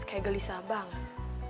kayak gelisah banget